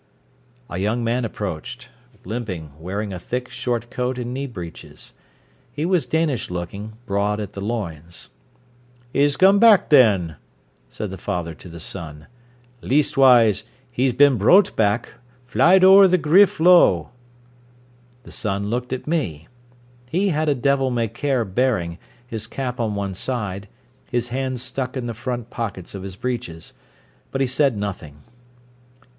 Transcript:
A young man approached, limping, wearing a thick short coat and knee breeches. He was Danish looking, broad at the loins. "I's come back, then," said the father to the son "leastwise, he's bin browt back, flyed ower the Griff Low." The son looked at me. He had a devil may care bearing, his cap on one side, his hands stuck in the front pockets of his breeches. But he said nothing.